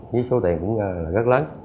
với số tiền cũng rất lớn